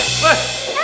eh terus terus